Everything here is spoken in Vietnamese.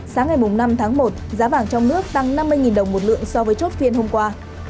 sáng ngày năm tháng một giá vàng trong nước tăng năm mươi đồng một lượng so với chốt phiên hôm qua